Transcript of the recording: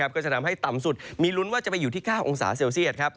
ก็จะทำให้ต่ำสุดมีลุ้นว่าจะไปอยู่ที่๙องศาเซลเซียต